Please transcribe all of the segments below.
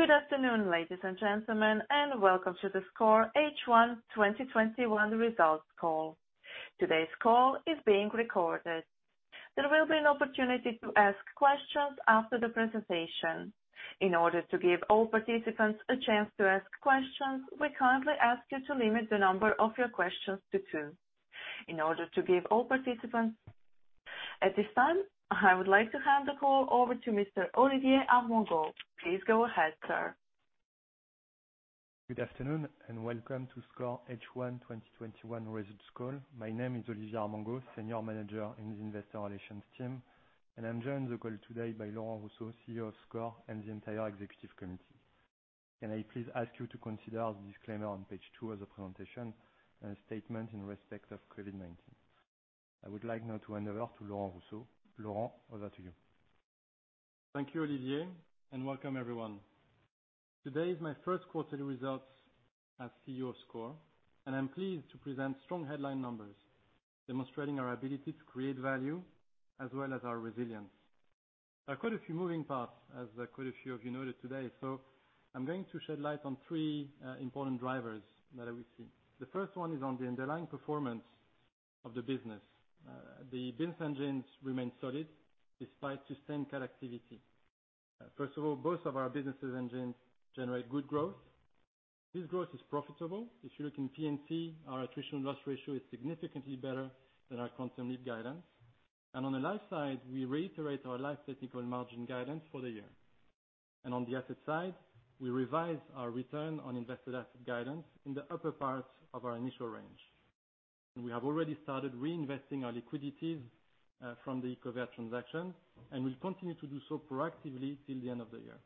Good afternoon, ladies and gentlemen, welcome to the SCOR H1 2021 results call. Today's call is being recorded. There will be an opportunity to ask questions after the presentation. In order to give all participants a chance to ask questions, we kindly ask you to limit the number of your questions to two. At this time, I would like to hand the call over to Mr. Olivier Armengaud. Please go ahead, sir. Good afternoon, welcome to SCOR H1 2021 results call. My name is Olivier Armengaud, Senior Manager in the Investor Relations team. I'm joined on the call today by Laurent Rousseau, CEO of SCOR, and the entire executive committee. Can I please ask you to consider the disclaimer on page 2 of the presentation, and the statement in respect of COVID-19. I would like now to hand over to Laurent Rousseau. Laurent, over to you. Thank you, Olivier. Welcome everyone. Today is my first quarter results as CEO of SCOR, and I'm pleased to present strong headline numbers demonstrating our ability to create value as well as our resilience. There are quite a few moving parts as quite a few of you noted today, so I'm going to shed light on three important drivers that we see. The 1st one is on the underlying performance of the business. The business engines remain solid despite sustained activity. First of all, both of our businesses engines generate good growth. This growth is profitable. If you look in P&C, our attrition loss ratio is significantly better than our Consumly guidance. On the life side, we reiterate our life technical margin guidance for the year. On the asset side, we revise our return on invested asset guidance in the upper part of our initial range. We have already started reinvesting our liquidities from the Covéa transaction, and we'll continue to do so proactively till the end of the year.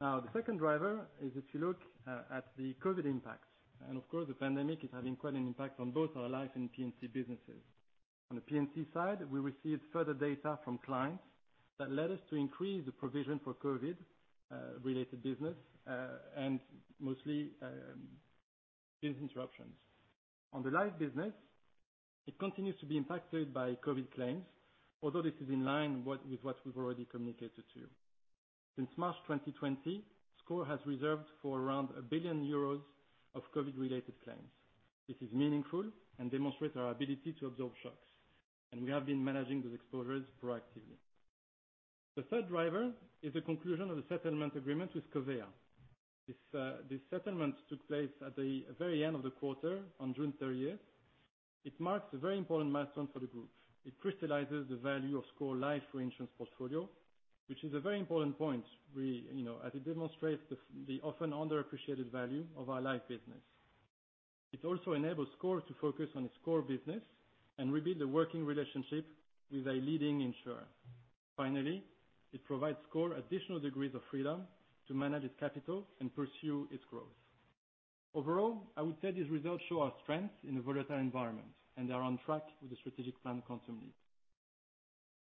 The second driver is if you look at the COVID impact. Of course, the pandemic is having quite an impact on both our life and P&C businesses. On the P&C side, we received further data from clients that led us to increase the provision for COVID-related business, and mostly business interruptions. On the life business, it continues to be impacted by COVID claims, although this is in line with what we've already communicated to you. Since March 2020, SCOR has reserved for around 1 billion euros of COVID-related claims. This is meaningful and demonstrates our ability to absorb shocks, and we have been managing those exposures proactively. The third driver is the conclusion of the settlement agreement with Covéa. This settlement took place at the very end of the quarter on June 30th. It marks a very important milestone for the group. It crystallizes the value of SCOR Life reinsurance portfolio, which is a very important point as it demonstrates the often underappreciated value of our life business. It also enables SCOR to focus on its core business and rebuild the working relationship with a leading insurer. Finally, it provides SCOR additional degrees of freedom to manage its capital and pursue its growth. Overall, I would say these results show our strength in a volatile environment. They are on track with the strategic plan Quantum Leap.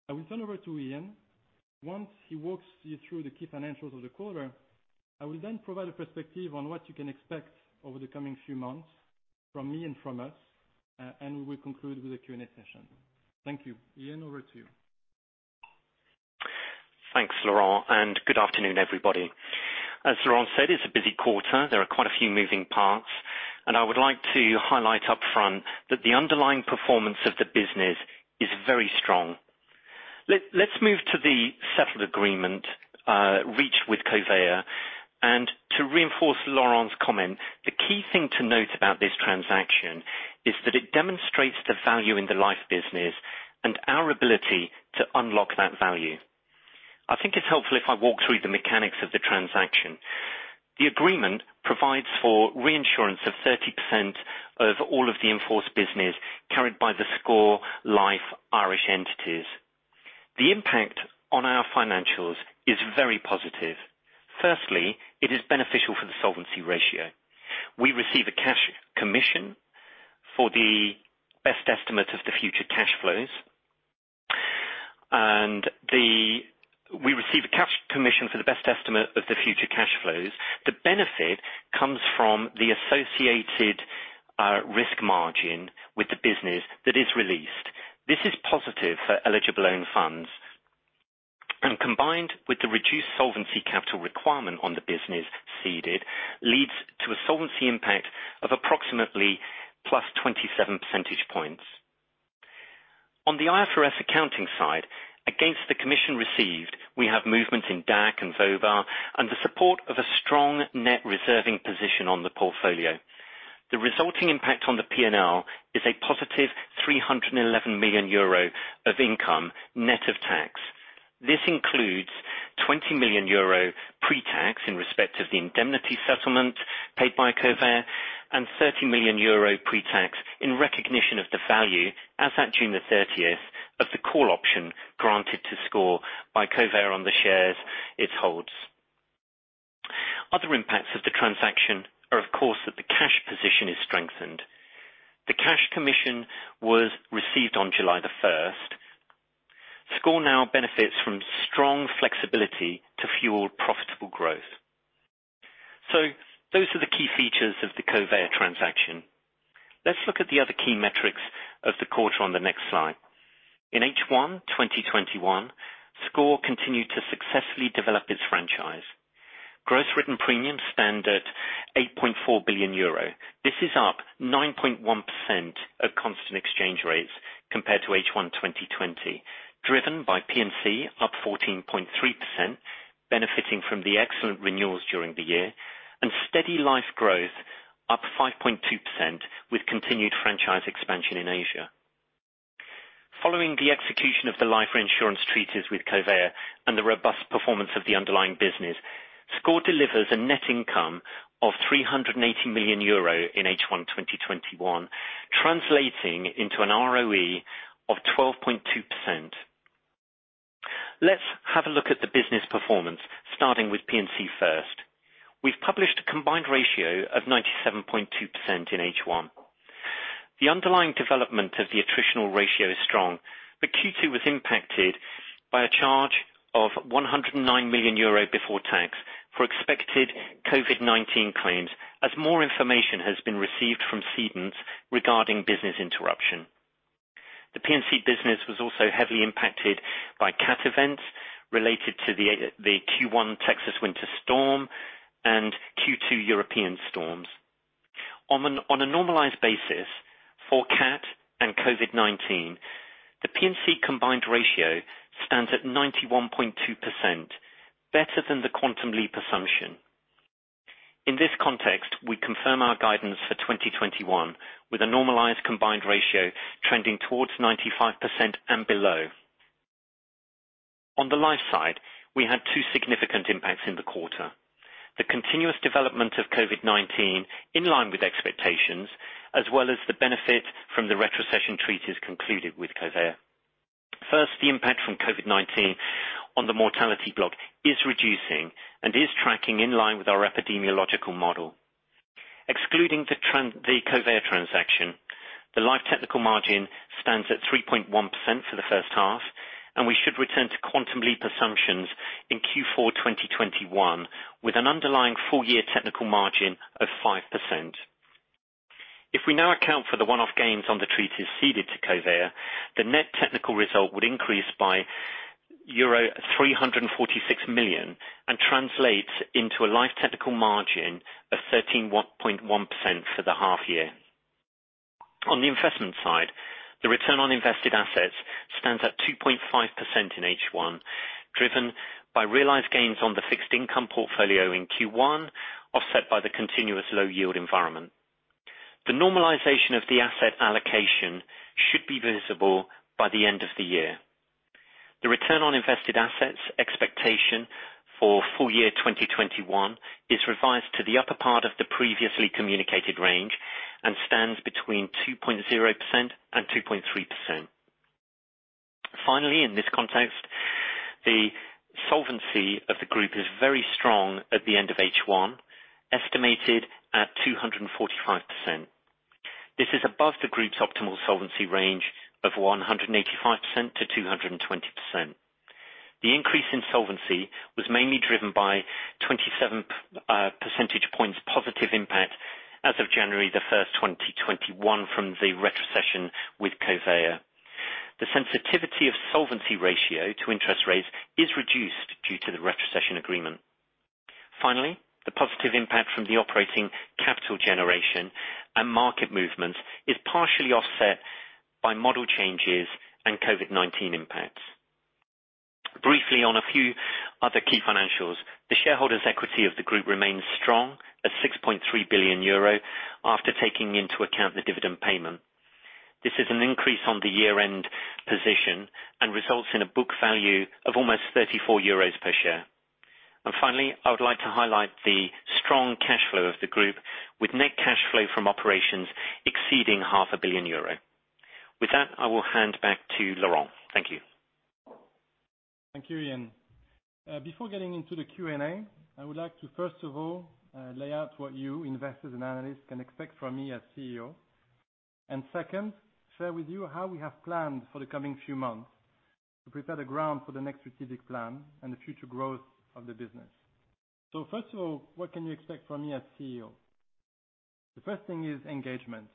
I will turn over to Ian. Once he walks you through the key financials of the quarter, I will then provide a perspective on what you can expect over the coming few months from me and from us, and we will conclude with a Q&A session. Thank you. Ian, over to you. Thanks, Laurent, and good afternoon, everybody. As Laurent said, it's a busy quarter. There are quite a few moving parts, and I would like to highlight upfront that the underlying performance of the business is very strong. Let's move to the settled agreement, reached with Covéa. To reinforce Laurent's comment, the key thing to note about this transaction is that it demonstrates the value in the life business and our ability to unlock that value. I think it's helpful if I walk through the mechanics of the transaction. The agreement provides for reinsurance of 30% of all of the in-force business carried by the SCOR Life Irish entities. The impact on our financials is very positive. Firstly, it is beneficial for the solvency ratio. We receive a cash commission for the best estimate of the future cash flows. The benefit comes from the associated risk margin with the business that is released. This is positive for eligible own funds, and combined with the reduced solvency capital requirement on the business ceded, leads to a solvency impact of approximately +27 percentage points. On the IFRS accounting side, against the commission received, we have movement in DAC and VOBA, and the support of a strong net reserving position on the portfolio. The resulting impact on the P&L is a positive 311 million euro of income net of tax. This includes 20 million euro pre-tax in respect of the indemnity settlement paid by Covéa, and 30 million euro pre-tax in recognition of the value as at June the 30th of the call option granted to SCOR by Covéa on the shares it holds. Other impacts of the transaction are, of course, that the cash position is strengthened. The cash commission was received on July the 1st. SCOR now benefits from strong flexibility to fuel profitable growth. Those are the key features of the Covéa transaction. Let's look at the other key metrics of the quarter on the next slide. In H1 2021, SCOR continued to successfully develop its franchise. Gross written premiums stand at 8.4 billion euro. This is up 9.1% at constant exchange rates compared to H1 2020, driven by P&C, up 14.3%, benefiting from the excellent renewals during the year, and steady life growth up 5.2% with continued franchise expansion in Asia. Following the execution of the life reinsurance treaties with Covéa and the robust performance of the underlying business, SCOR delivers a net income of 380 million euro in H1 2021, translating into an ROE of 12.2%. Let's have a look at the business performance, starting with P&C first. We've published a combined ratio of 97.2% in H1. The underlying development of the attritional ratio is strong. Q2 was impacted by a charge of €109 million before tax for expected COVID-19 claims, as more information has been received from cedents regarding business interruption. The P&C business was also heavily impacted by CAT events related to the Q1 Texas winter storm and Q2 European storms. On a normalized basis for CAT and COVID-19, the P&C combined ratio stands at 91.2%, better than the Quantum Leap assumption. In this context, we confirm our guidance for 2021 with a normalized combined ratio trending towards 95% and below. On the life side, we had two significant impacts in the quarter. The continuous development of COVID-19, in line with expectations, as well as the benefit from the retrocession treaties concluded with Covéa. First, the impact from COVID-19 on the mortality block is reducing and is tracking in line with our epidemiological model. Excluding the Covéa transaction, the life technical margin stands at 3.1% for the first half, and we should return to Quantum Leap assumptions in Q4 2021 with an underlying full year technical margin of 5%. If we now account for the one-off gains on the treaties ceded to Covéa, the net technical result would increase by euro 346 million and translates into a life technical margin of 13.1% for the half year. On the investment side, the return on invested assets stands at 2.5% in H1, driven by realized gains on the fixed income portfolio in Q1, offset by the continuous low yield environment. The normalization of the asset allocation should be visible by the end of the year. The return on invested assets expectation for full year 2021 is revised to the upper part of the previously communicated range and stands between 2.0% and 2.3%. In this context, the solvency of the group is very strong at the end of H1, estimated at 245%. This is above the group's optimal solvency range of 185%-220%. The increase in solvency was mainly driven by 27 percentage points positive impact as of January 1st, 2021 from the retrocession with Covéa. The sensitivity of solvency ratio to interest rates is reduced due to the retrocession agreement. Finally, the positive impact from the operating capital generation and market movement is partially offset by model changes and COVID-19 impacts. Briefly on a few other key financials. The shareholders equity of the group remains strong at 6.3 billion euro after taking into account the dividend payment. This is an increase on the year-end position and results in a book value of almost €34 per share. Finally, I would like to highlight the strong cash flow of the group with net cash flow from operations exceeding half a billion euro. With that, I will hand back to Laurent. Thank you. Thank you, Ian. Before getting into the Q&A, I would like to, first of all, lay out what you, investors and analysts, can expect from me as CEO. Second, share with you how we have planned for the coming few months to prepare the ground for the next strategic plan and the future growth of the business. First of all, what can you expect from me as CEO? The first thing is engagement.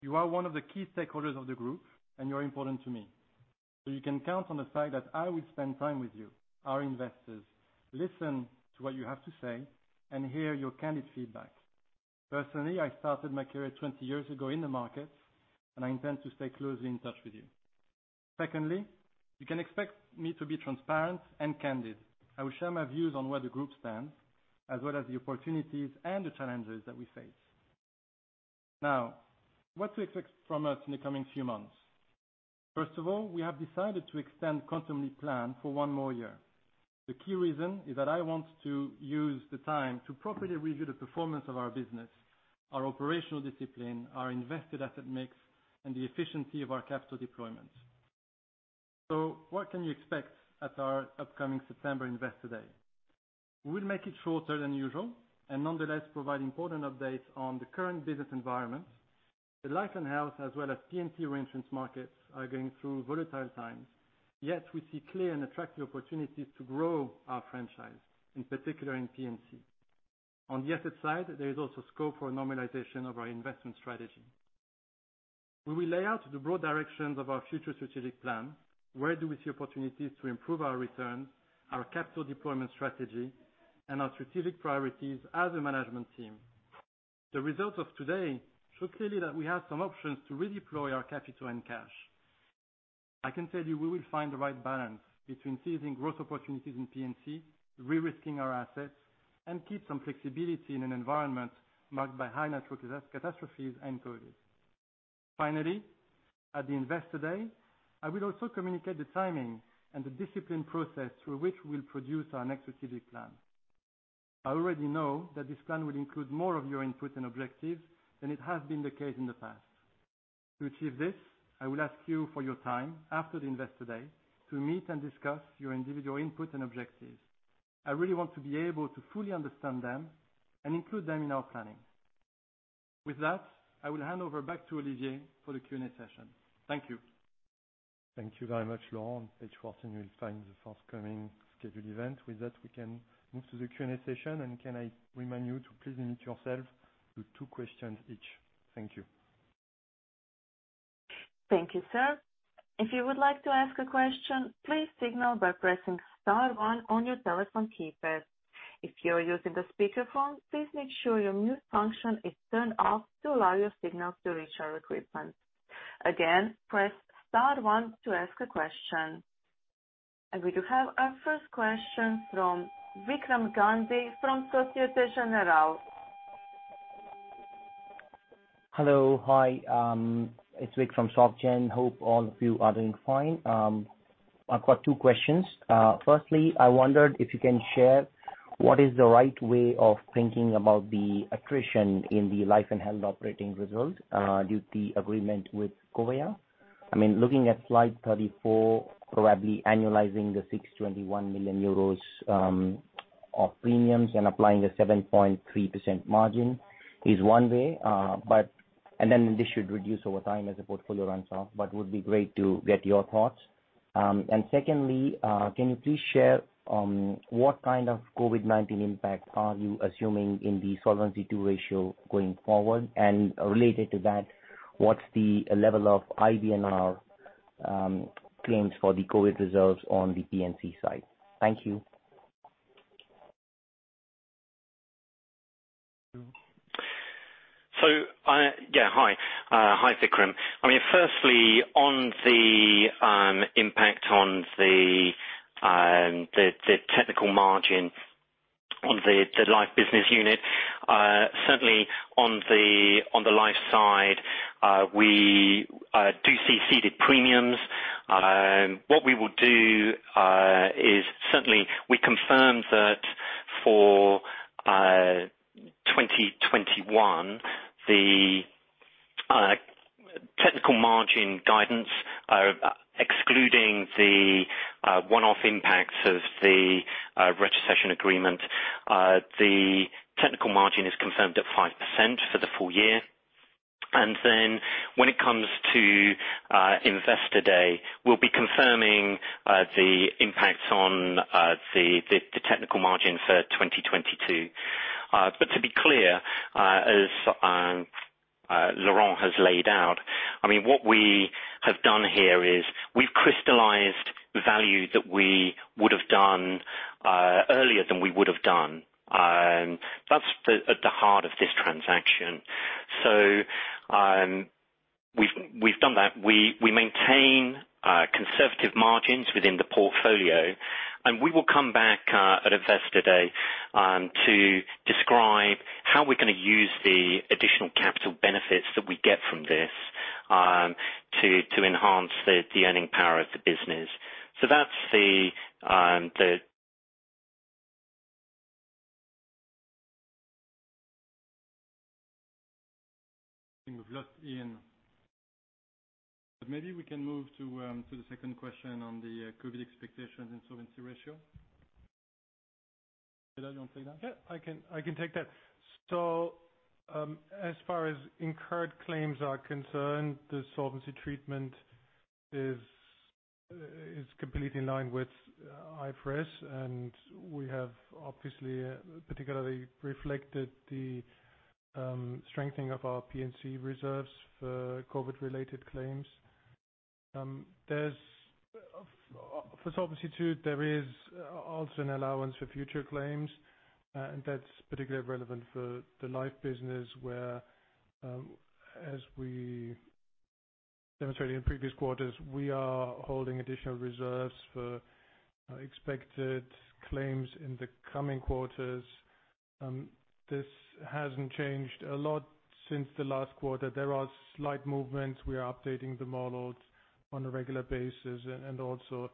You are one of the key stakeholders of the group and you are important to me. You can count on the fact that I will spend time with you, our investors, listen to what you have to say, and hear your candid feedback. Personally, I started my career 20 years ago in the market, and I intend to stay closely in touch with you. Secondly, you can expect me to be transparent and candid. I will share my views on where the group stands, as well as the opportunities and the challenges that we face. What to expect from us in the coming few months. First of all, we have decided to extend Quantum Leap plan for one more year. The key reason is that I want to use the time to properly review the performance of our business, our operational discipline, our invested asset mix, and the efficiency of our capital deployment. What can you expect at our upcoming September Investor Day? We will make it shorter than usual, and nonetheless provide important updates on the current business environment. The life and health as well as P&C reinsurance markets are going through volatile times. Yet we see clear and attractive opportunities to grow our franchise, in particular in P&C. On the asset side, there is also scope for a normalization of our investment strategy. We will lay out the broad directions of our future strategic plan, where do we see opportunities to improve our returns, our capital deployment strategy, and our strategic priorities as a management team. The results of today show clearly that we have some options to redeploy our capital and cash. I can tell you we will find the right balance between seizing growth opportunities in P&C, re-risking our assets, and keep some flexibility in an environment marked by high natural catastrophes and COVID. Finally, at the Investor Day, I will also communicate the timing and the discipline process through which we'll produce our next strategic plan. I already know that this plan will include more of your input and objectives than it has been the case in the past. To achieve this, I will ask you for your time after the Investor Day, to meet and discuss your individual input and objectives. I really want to be able to fully understand them and include them in our planning. With that, I will hand over back to Olivier for the Q&A session. Thank you. Thank you very much, Laurent. On page 14, you will find the forthcoming scheduled event. With that, we can move to the Q&A session. Can I remind you to please limit yourself to two questions each. Thank you. Thank you, sir. If you would like to ask a question, please signal by pressing star one on your telephone keypad. If you are using the speakerphone, please make sure your mute function is turned off to allow your signal to reach our equipment. Again, press star one to ask a question. We do have our first question from Vikram Gandhi from Société Générale. Hello. Hi, it's Vik from SocGen. Hope all of you are doing fine. I've got two questions. Firstly, I wondered if you can share what is the right way of thinking about the attrition in the Life & Health operating result, due to the agreement with QBE? Looking at slide 34, probably annualizing the 621 million euros of premiums and applying a 7.3% margin is one way. This should reduce over time as the portfolio runs off, but would be great to get your thoughts. Secondly, can you please share what kind of COVID-19 impact are you assuming in the Solvency II ratio going forward? Related to that, what's the level of IBNR claims for the COVID reserves on the P&C side? Thank you. Yeah. Hi. Hi, Vikram. Firstly, on the impact on the technical margin on the Life business unit. Certainly, on the Life side, we do see ceded premiums. What we will do is, certainly, we confirm that for 2021, the technical margin guidance, excluding the one-off impacts of the retrocession agreement, the technical margin is confirmed at 5% for the full year. When it comes to Investor Day, we'll be confirming the impacts on the technical margin for 2022. To be clear, as Laurent has laid out, what we have done here is we've crystallized value that we would've done earlier than we would have done. That's at the heart of this transaction. We've done that. We maintain conservative margins within the portfolio, and we will come back at Investor Day, to describe how we're going to use the additional capital benefits that we get from this to enhance the earning power of the business. I think we've lost Ian. Maybe we can move to the second question on the COVID expectations and solvency ratio. Frieder, you want to take that? Yeah, I can take that. As far as incurred claims are concerned, the solvency treatment is completely in line with IFRS, and we have obviously particularly reflected the strengthening of our P&C reserves for COVID-related claims. For Solvency II, there is also an allowance for future claims. That's particularly relevant for the Life business, where, as we demonstrated in previous quarters, we are holding additional reserves for expected claims in the coming quarters. This hasn't changed a lot since the last quarter. There are slight movements. We are updating the models on a regular basis and also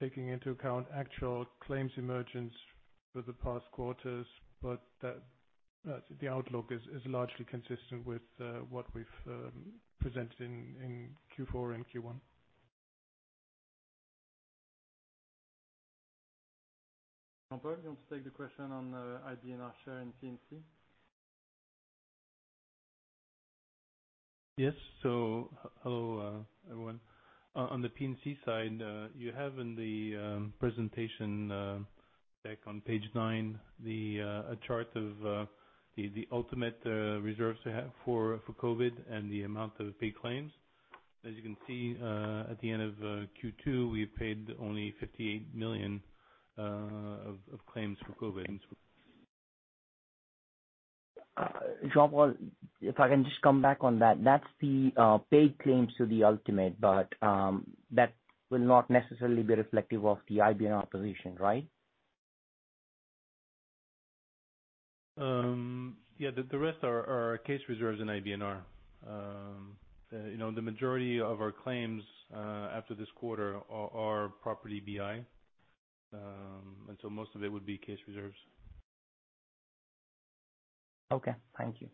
taking into account actual claims emergence for the past quarters, but the outlook is largely consistent with what we've presented in Q4 and Q1. Jean-Paul, do you want to take the question on, IBNR share and P&C? Yes. Hello, everyone. On the P&C side, you have in the presentation deck on page 9, a chart of the ultimate reserves we have for COVID and the amount of paid claims. As you can see, at the end of Q2, we've paid only $58 million of claims for COVID. Jean-Paul, if I can just come back on that. That's the paid claims to the ultimate, but that will not necessarily be reflective of the IBNR position, right? Yeah. The rest are our case reserves in IBNR. The majority of our claims, after this quarter, are property BI. Most of it would be case reserves. Okay. Thank you.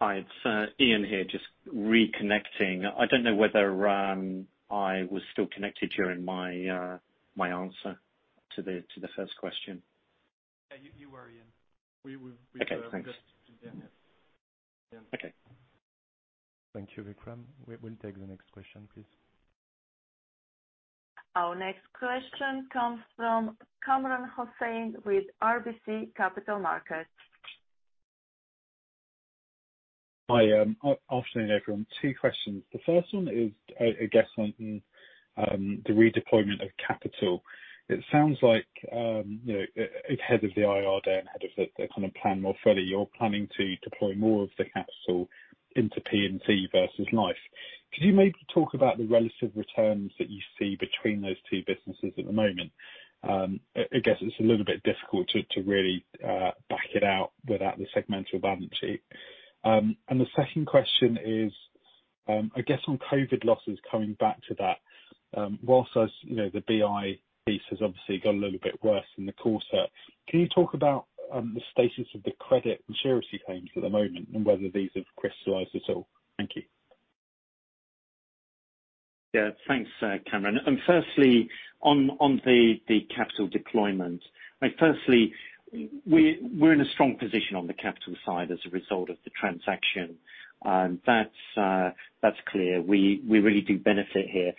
Hi, it's Ian here, just reconnecting. I don't know whether I was still connected during my answer to the first question. Yeah, you were, Ian. Okay, thanks. We could just begin, yes. Ian. Okay. Thank you, Vikram. We will take the next question, please. Our next question comes from Kamran Hossain with RBC Capital Markets. Hi. Afternoon, everyone. Two questions. The first one is, I guess on the redeployment of capital. It sounds like, ahead of the IR day and ahead of the plan more fully, you're planning to deploy more of the capital into P&C versus life. Could you maybe talk about the relative returns that you see between those two businesses at the moment? I guess it's a little bit difficult to really back it out without the segmental balance sheet. The second question is, I guess on COVID losses, coming back to that. Whilst the BI piece has obviously got a little bit worse in the quarter, can you talk about the status of the credit and surety claims at the moment, and whether these have crystallized at all? Thank you. Thanks, Kamran. Firstly, on the capital deployment. Firstly, we're in a strong position on the capital side as a result of the transaction. That's clear. We really do benefit here.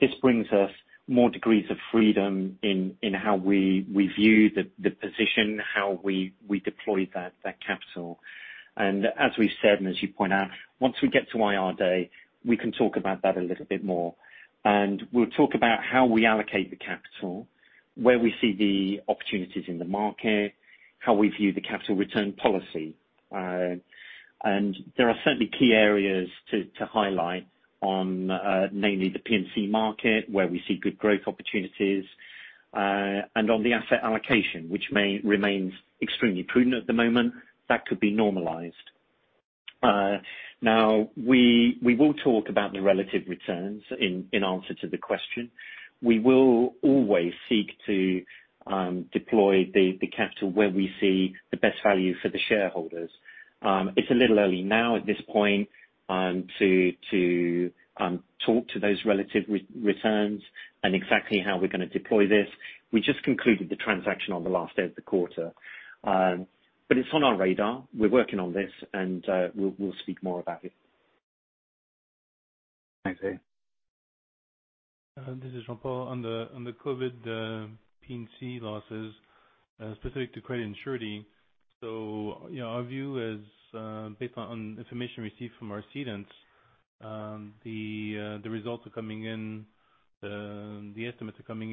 This brings us more degrees of freedom in how we view the position, how we deploy that capital. As we've said, and as you point out, once we get to IR day, we can talk about that a little bit more. We'll talk about how we allocate the capital, where we see the opportunities in the market, how we view the capital return policy. There are certainly key areas to highlight on, namely the P&C market, where we see good growth opportunities, and on the asset allocation, which remains extremely prudent at the moment. That could be normalized. Now, we will talk about the relative returns in answer to the question. We will always seek to deploy the capital where we see the best value for the shareholders. It's a little early now at this point, to talk to those relative returns and exactly how we're going to deploy this. We just concluded the transaction on the last day of the quarter. It's on our radar. We're working on this, and we'll speak more about it. Thanks, Ian. This is Jean-Paul. On the COVID P&C losses specific to credit and surety. Our view is based on information received from our cedents. The estimates are coming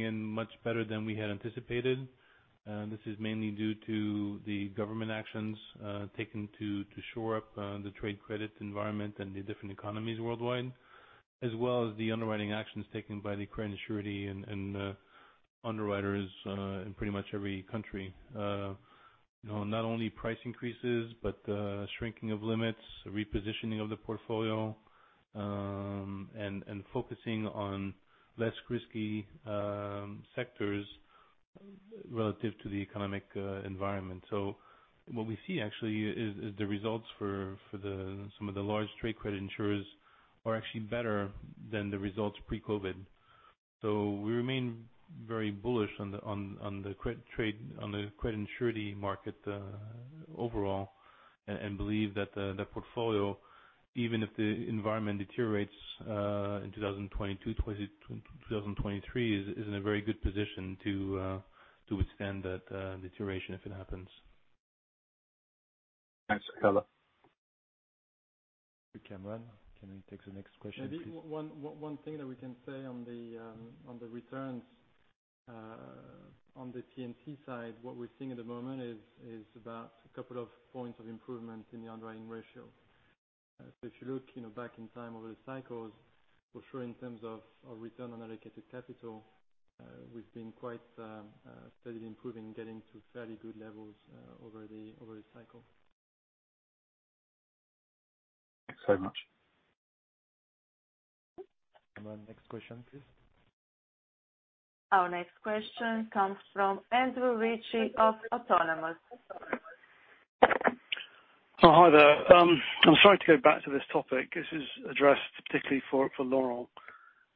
in much better than we had anticipated. This is mainly due to the government actions taken to shore up the trade credit environment and the different economies worldwide, as well as the underwriting actions taken by the credit and surety underwriters in pretty much every country. Not only price increases, but shrinking of limits, repositioning of the portfolio, and focusing on less risky sectors relative to the economic environment. What we see actually is the results for some of the large trade credit insurers are actually better than the results pre-COVID. We remain very bullish on the credit and surety market overall, and believe that the portfolio, even if the environment deteriorates in 2022, 2023, is in a very good position to withstand that deterioration if it happens. Thanks for the color. Kamran, can we take the next question, please? One thing that we can say on the returns on the P&C side, what we're seeing at the moment is about a couple of points of improvement in the underwriting ratio. If you look back in time over the cycles, for sure in terms of return on allocated capital, we've been quite steadily improving, getting to fairly good levels over the cycle. Thanks so much. Kamran, next question, please. Our next question comes from Andrew Ritchie of Autonomous. Oh, hi there. I'm sorry to go back to this topic. This is addressed particularly for Laurent.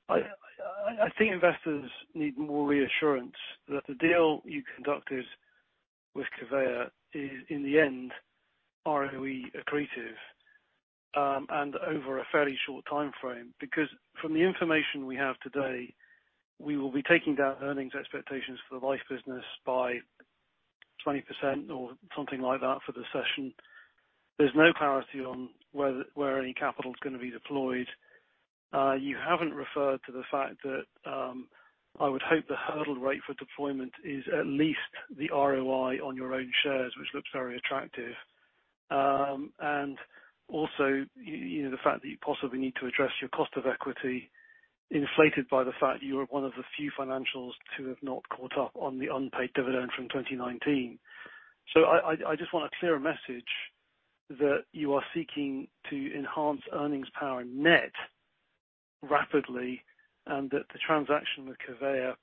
I think investors need more reassurance that the deal you conducted with Covéa is, in the end, ROE accretive, and over a fairly short timeframe. From the information we have today, we will be taking down earnings expectations for the life business by 20% or something like that for the session. There's no clarity on where any capital's going to be deployed. You haven't referred to the fact that I would hope the hurdle rate for deployment is at least the ROI on your own shares, which looks very attractive. The fact that you possibly need to address your cost of equity inflated by the fact that you are one of the few financials to have not caught up on the unpaid dividend from 2019. I just want a clear message that you are seeking to enhance earnings power net rapidly, and that the transaction with Covéa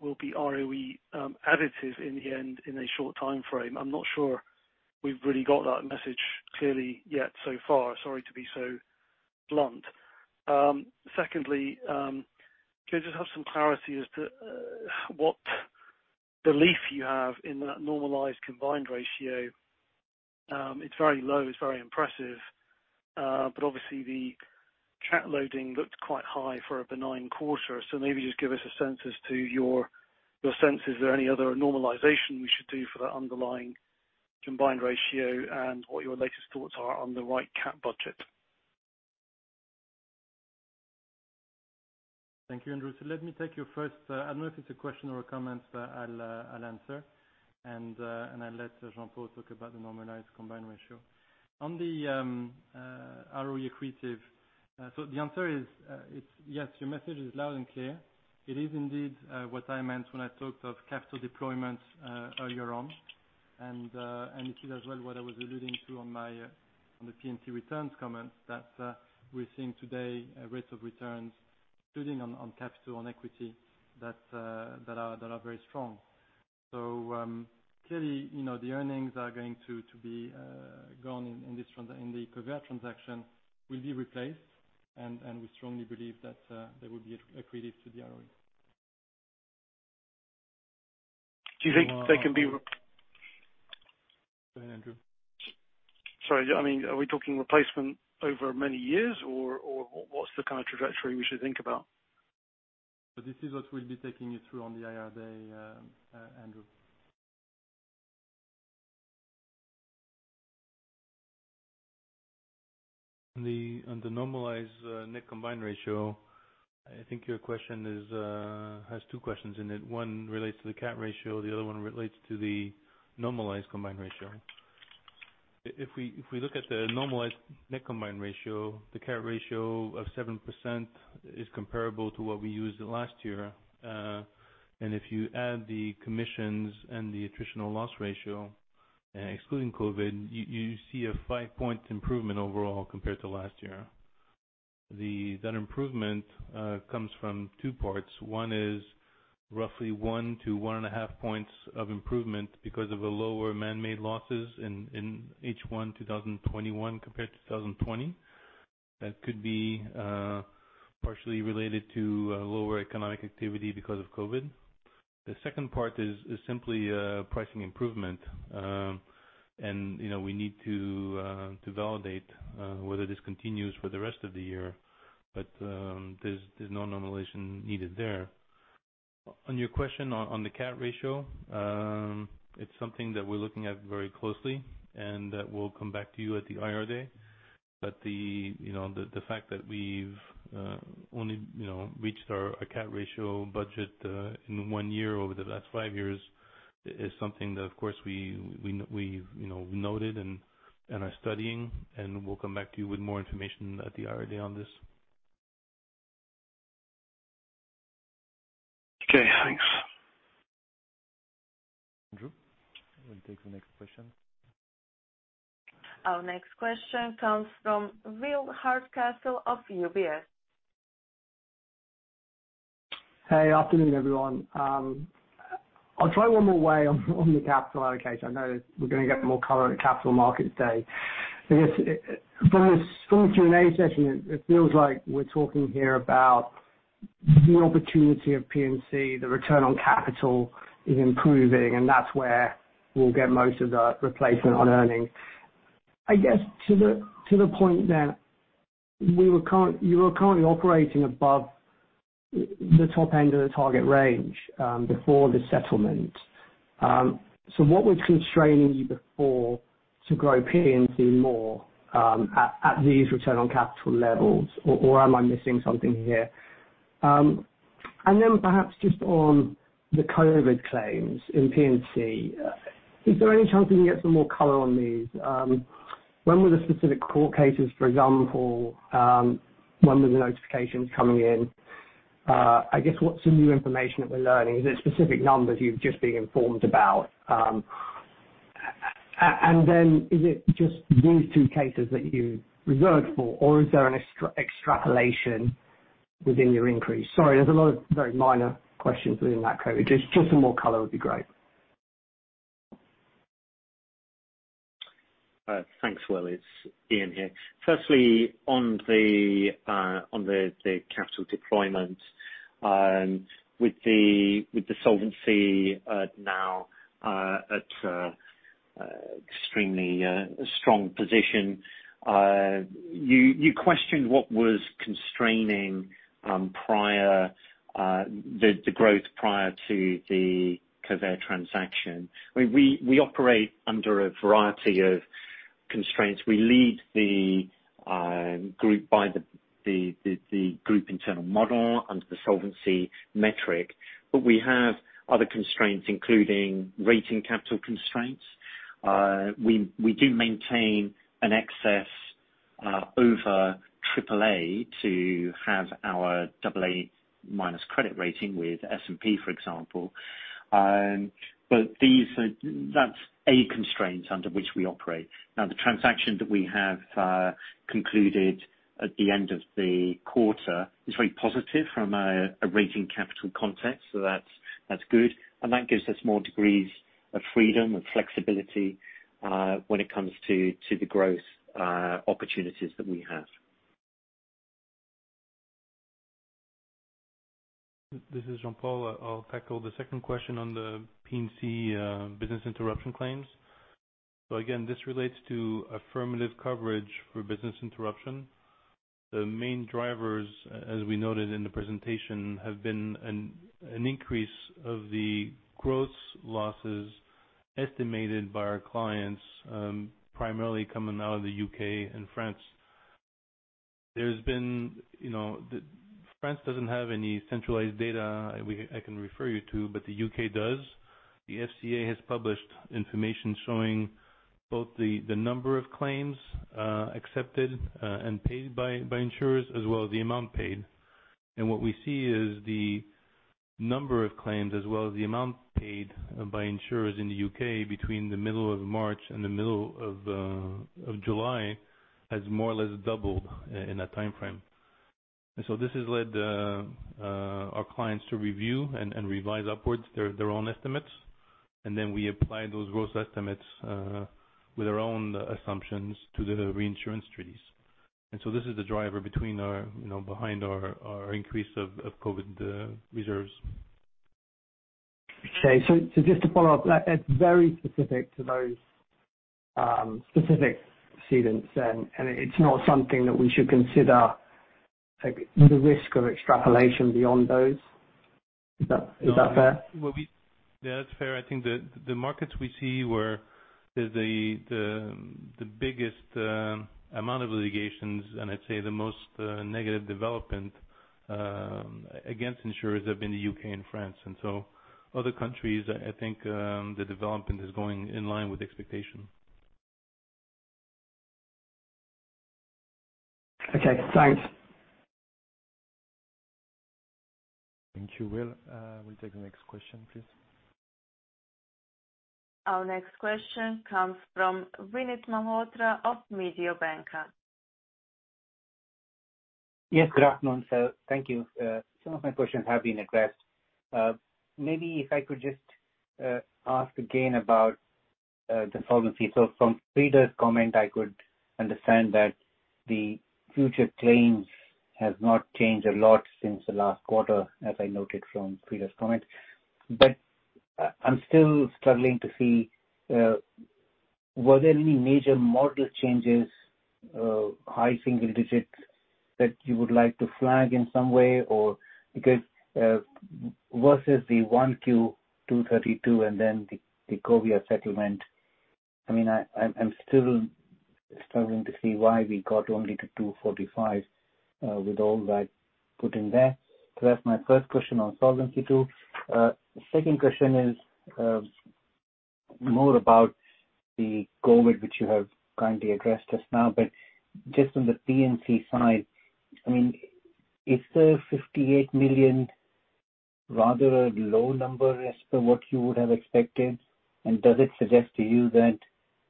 will be ROE additive in the end, in a short timeframe. I'm not sure we've really got that message clearly yet so far. Sorry to be so blunt. Secondly, can I just have some clarity as to what belief you have in that normalized combined ratio? It's very low. It's very impressive. Obviously, the CAT loading looked quite high for a benign quarter. Maybe just give us your sense, is there any other normalization we should do for that underlying combined ratio? What your latest thoughts are on the right CAT budget? Thank you, Andrew. Let me take your first. I don't know if it's a question or a comment, but I'll answer. I'll let Jean-Paul talk about the normalized combined ratio. On the ROE accretive, the answer is, yes, your message is loud and clear. It is indeed what I meant when I talked of capital deployments earlier on. It is as well what I was alluding to on the P&C returns comments, that we're seeing today rates of returns, including on capital, on equity, that are very strong. Clearly, the earnings are going to be gone in the Covéa transaction, will be replaced, and we strongly believe that they will be accretive to the ROE. Do you think they can be? Go ahead, Andrew. Sorry. Are we talking replacement over many years, or what's the kind of trajectory we should think about? This is what we'll be taking you through on the IR day, Andrew. On the normalized net combined ratio, I think your question has two questions in it. One relates to the CAT ratio, the other one relates to the normalized combined ratio. If we look at the normalized net combined ratio, the CAT ratio of 7% is comparable to what we used last year. If you add the commissions and the attritional loss ratio, excluding COVID, you see a 5-point improvement overall compared to last year. That improvement comes from two parts. One is roughly 1-1.5 points of improvement because of the lower manmade losses in H1 2021 compared to 2020. That could be partially related to lower economic activity because of COVID. The second part is simply pricing improvement. We need to validate whether this continues for the rest of the year. There's no normalization needed there. On your question on the CAT ratio, it's something that we're looking at very closely, and that we'll come back to you at the IR day. The fact that we've only reached our CAT ratio budget in one year over the last five years is something that, of course, we've noted and are studying, and we'll come back to you with more information at the IR day on this. Okay, thanks. Andrew. We'll take the next question. Our next question comes from Will Hardcastle of UBS. Hey, afternoon, everyone. I'll try one more way on the capital allocation. I know we're going to get more color at the capital markets day. From this Q&A session, it feels like we're talking here about new opportunity of P&C, the return on capital is improving, and that's where we'll get most of the replacement on earnings. I guess to the point that you were currently operating above the top end of the target range before the settlement. What was constraining you before to grow P&C more at these return on capital levels? Am I missing something here? Perhaps just on the COVID claims in P&C. Is there any chance we can get some more color on these? When were the specific court cases, for example? When were the notifications coming in? I guess what's some new information that we're learning? Is there specific numbers you've just been informed about? Is it just these two cases that you reserved for, or is there an extrapolation within your increase. Sorry, there's a lot of very minor questions within that, Cody. Just some more color would be great. Thanks, Will. It's Ian here. Firstly, on the capital deployment, with the solvency now at extremely strong position. You questioned what was constraining the growth prior to the Covéa transaction. We operate under a variety of constraints. We lead the group by the group internal model under the solvency metric, but we have other constraints, including rating capital constraints. We do maintain an excess over AAA to have our AA- credit rating with S&P, for example. That's a constraint under which we operate. Now, the transaction that we have concluded at the end of the quarter is very positive from a rating capital context. That's good. That gives us more degrees of freedom and flexibility, when it comes to the growth opportunities that we have. This is Jean-Paul. I'll tackle the second question on the P&C business interruption claims. Again, this relates to affirmative coverage for business interruption. The main drivers, as we noted in the presentation, have been an increase of the gross losses estimated by our clients, primarily coming out of the U.K. and France. France doesn't have any centralized data I can refer you to, but the U.K. does. The FCA has published information showing both the number of claims accepted and paid by insurers, as well as the amount paid. What we see is the number of claims, as well as the amount paid by insurers in the U.K. between the middle of March and the middle of July, has more or less doubled in that timeframe. This has led our clients to review and revise upwards their own estimates. We apply those growth estimates with our own assumptions to the reinsurance treaties. This is the driver behind our increase of COVID reserves. Okay. Just to follow up, it is very specific to those specific cedents, and it is not something that we should consider the risk of extrapolation beyond those. Is that fair? Yeah, that's fair. I think the markets we see where the biggest amount of litigations, and I'd say the most negative development against insurers have been the U.K. and France. Other countries, I think, the development is going in line with expectation. Okay, thanks. Thank you, Will. We'll take the next question, please. Our next question comes from Vinit Malhotra of Mediobanca. Yes, good afternoon, sir. Thank you. Some of my questions have been addressed. Maybe if I could just ask again about the solvency. From Frieder's comment, I could understand that the future claims has not changed a lot since the last quarter, as I noted from Frieder's comment. I'm still struggling to see, were there any major model changes, high single digits that you would like to flag in some way, or versus the 1Q 232 and then the Covéa settlement. I'm still struggling to see why we got only to 245, with all that put in there. That's my first question on Solvency II. Second question is more about the COVID, which you have kindly addressed just now. Just on the P&C side, is the $58 million rather a low number as to what you would have expected? Does it suggest to you that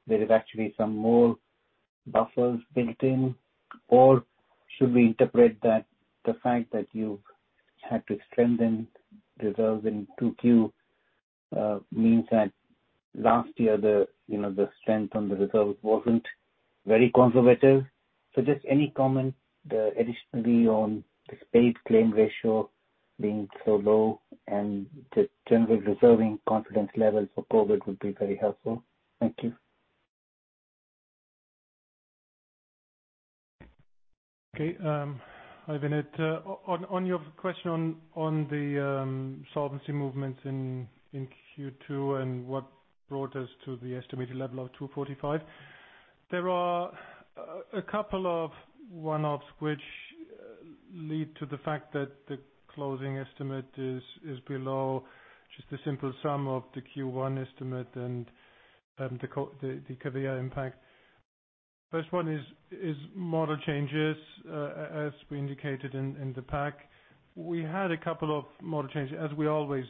there is actually some more buffers built in? Should we interpret that the fact that you had to strengthen reserves in 2Q means that last year the strength on the reserves wasn't very conservative? Just any comment additionally on this paid claim ratio being so low and the general reserving confidence level for COVID would be very helpful. Thank you. Okay. Hi, Vinit. On your question on the solvency movement in Q2 and what brought us to the estimated level of 245. There are a couple of one-offs which lead to the fact that the closing estimate is below just a simple sum of the Q1 estimate and the COVID impact. First one is model changes, as we indicated in the pack. We had a couple of model changes as we always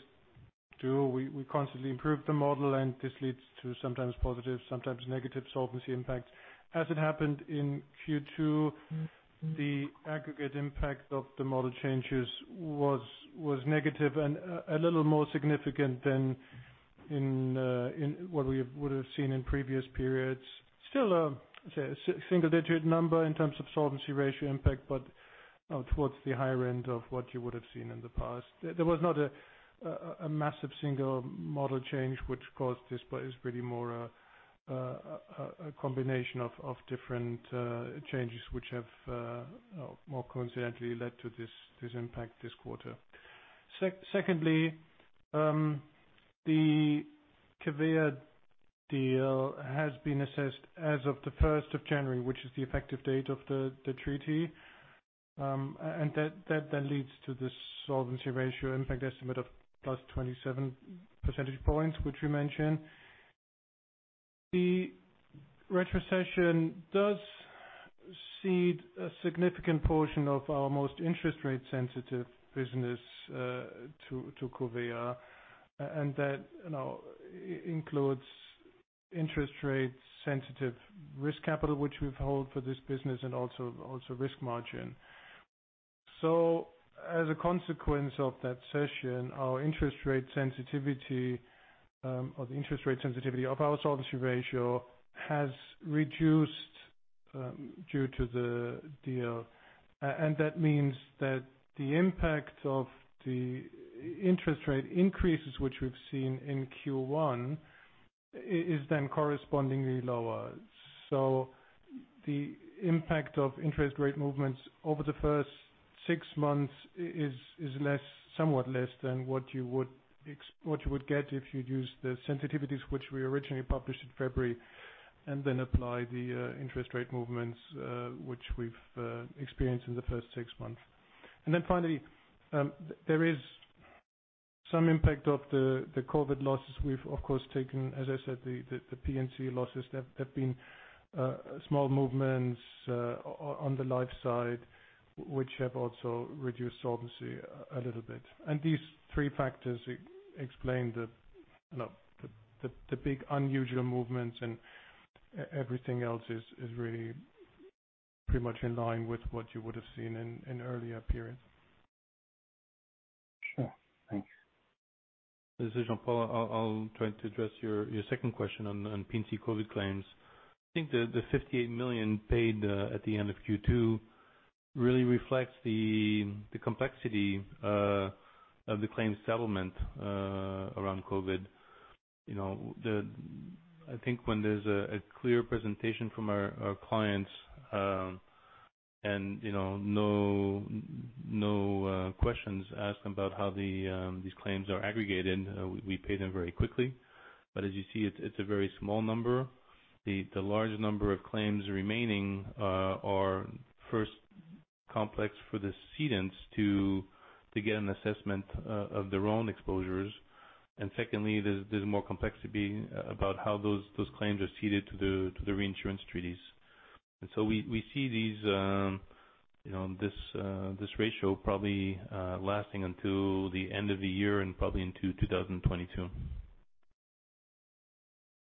We constantly improve the model, this leads to sometimes positive, sometimes negative solvency impact. As it happened in Q2, the aggregate impact of the model changes was negative, a little more significant than what we would have seen in previous periods. Still, a single-digit number in terms of solvency ratio impact, towards the higher end of what you would have seen in the past. There was not a massive single model change which caused this, it was really more a combination of different changes which have more coincidentally led to this impact this quarter. Secondly, the Covéa deal has been assessed as of the 1st of January, which is the effective date of the treaty. That leads to this solvency ratio impact estimate of +27 percentage points, which we mentioned. The retrocession does cede a significant portion of our most interest rate sensitive business to Covéa, and that includes interest rate sensitive risk capital, which we hold for this business, and also risk margin. As a consequence of that session, our interest rate sensitivity or the interest rate sensitivity of our solvency ratio has reduced due to the deal. That means that the impact of the interest rate increases, which we've seen in Q1, is then correspondingly lower. The impact of interest rate movements over the first six months is somewhat less than what you would get if you use the sensitivities, which we originally published in February, and then apply the interest rate movements, which we've experienced in the first six months. Finally, there is some impact of the COVID losses. We've, of course taken, as I said, the P&C losses. There have been small movements on the Life side, which have also reduced solvency a little bit. These three factors explain the big unusual movements, and everything else is really pretty much in line with what you would have seen in earlier periods. Sure. Thanks. This is Jean-Paul. I'll try to address your second question on P&C COVID claims. I think the $58 million paid at the end of Q2 really reflects the complexity of the claims settlement around COVID. I think when there's a clear presentation from our clients, and no questions asked about how these claims are aggregated, we pay them very quickly. As you see, it's a very small number. The large number of claims remaining are first complex for the cedents to get an assessment of their own exposures. Secondly, there's more complexity about how those claims are ceded to the reinsurance treaties. We see this ratio probably lasting until the end of the year and probably into 2022.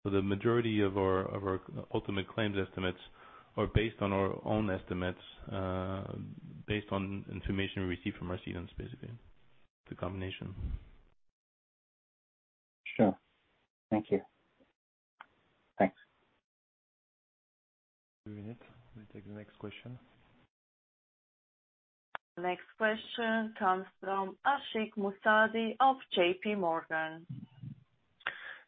The majority of our ultimate claims estimates are based on our own estimates, based on information we receive from our cedents, basically. It's a combination. Sure. Thank you. Thanks. Two minutes. Let me take the next question. Next question comes from Ashik Musaddi of JPMorgan.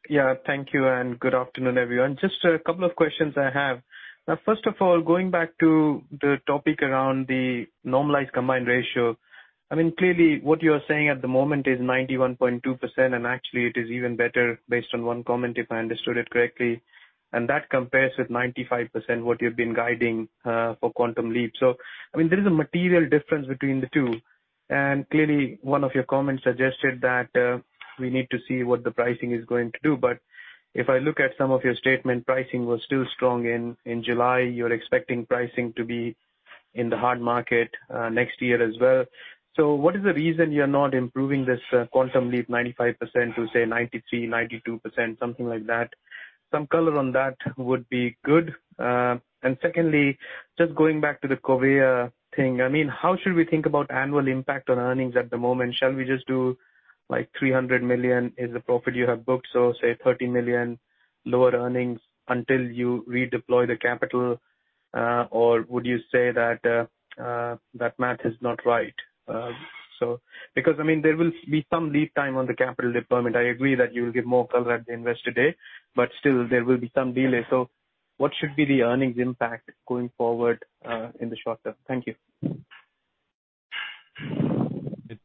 Yeah. Thank you, and good afternoon, everyone. Just a couple of questions I have. First of all, going back to the topic around the normalized combined ratio. Clearly, what you are saying at the moment is 91.2%, and actually it is even better based on one comment, if I understood it correctly. That compares with 95%, what you've been guiding for Quantum Leap. There is a material difference between the two. Clearly, one of your comments suggested that we need to see what the pricing is going to do. If I look at some of your statement, pricing was still strong in July. You're expecting pricing to be in the hard market next year as well. What is the reason you're not improving this Quantum Leap 95% to, say, 93%, 92%, something like that? Some color on that would be good. Secondly, just going back to the Covéa thing. How should we think about annual impact on earnings at the moment? Shall we just do like 300 million is the profit you have booked, so say 30 million lower earnings until you redeploy the capital? Would you say that math is not right? There will be some lead time on the capital deployment. I agree that you will give more color at the investor day, but still there will be some delay. What should be the earnings impact going forward in the short term? Thank you.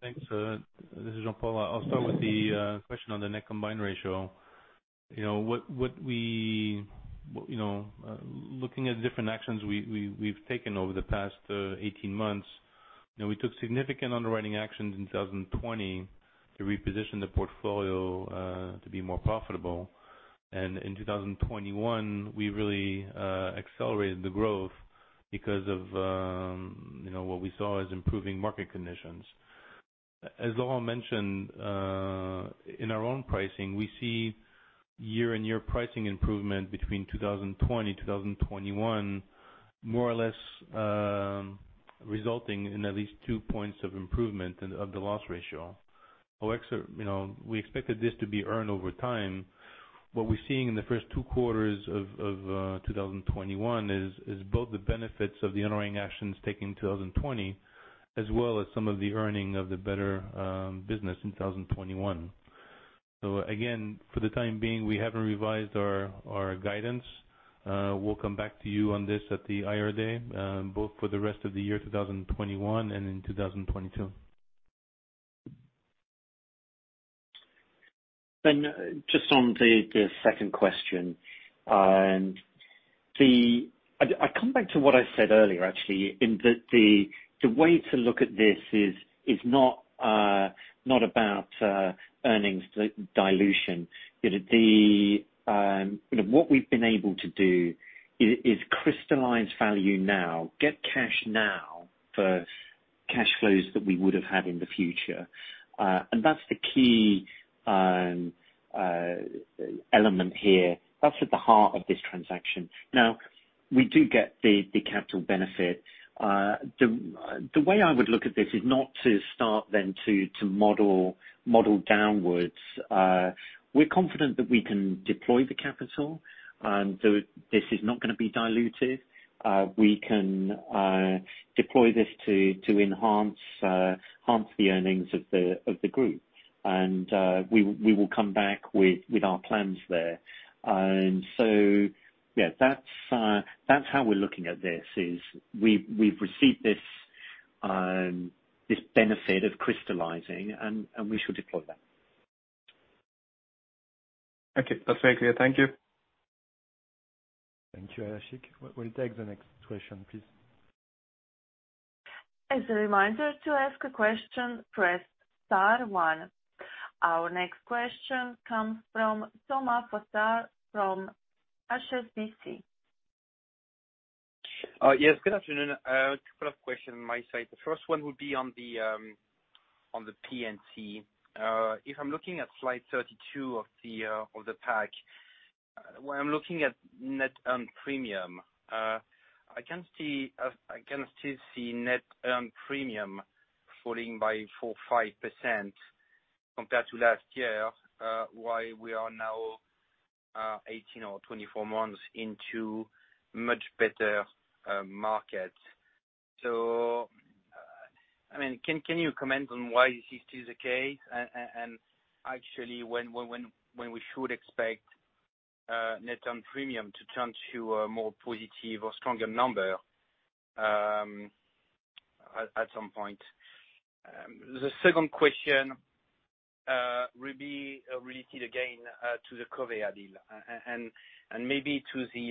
Thanks. This is Jean-Paul. I'll start with the question on the net combined ratio. Looking at different actions we've taken over the past 18 months. We took significant underwriting actions in 2020 to reposition the portfolio to be more profitable. In 2021, we really accelerated the growth because of what we saw as improving market conditions. As Laurent mentioned, in our own pricing, we see year-on-year pricing improvement between 2020, 2021, more or less resulting in at least 2 points of improvement of the loss ratio. We expected this to be earned over time. What we're seeing in the first two quarters of 2021 is both the benefits of the underwriting actions taken in 2020, as well as some of the earning of the better business in 2021. Again, for the time being, we haven't revised our guidance. We'll come back to you on this at the IR day, both for the rest of the year 2021 and in 2022. Just on the second question, I come back to what I said earlier, actually, in that the way to look at this is not about earnings dilution. What we've been able to do is crystallize value now, get cash now for cash flows that we would have had in the future. That's the key element here. That's at the heart of this transaction. We do get the capital benefit. The way I would look at this is not to start then to model downwards. We're confident that we can deploy the capital, and this is not going to be dilutive. We can deploy this to enhance the earnings of the group. We will come back with our plans there. Yeah, that's how we're looking at this is, we've received this benefit of crystallizing, and we shall deploy that. Okay, that's very clear. Thank you. Thank you, Ashik. We'll take the next question, please. As a reminder, to ask a question, press star one. Our next question comes from Thomas Fossard from HSBC. Yes, good afternoon. Two quick questions on my side. The first one would be on the P&C. If I'm looking at slide 32 of the pack, when I'm looking at net earned premium, I can still see net earned premium falling by 4%, 5% compared to last year, while we are now 18 or 24 months into much better markets. Can you comment on why this is the case? Actually, when we should expect net earned premium to turn to a more positive or stronger number at some point. The second question related again to the Covéa deal, and maybe to the